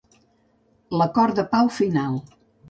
L'acord de pau final.